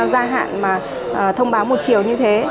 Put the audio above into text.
gia hạn mà thông báo một chiều như thế